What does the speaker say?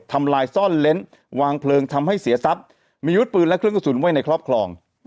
ทำลายซ่อนเล้นวางเพลิงทำให้เสียทรัพย์มีอาวุธปืนและเครื่องกระสุนไว้ในครอบครอง